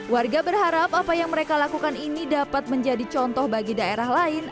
warga berharap apa yang mereka lakukan ini dapat menjadi contoh bagi daerah lain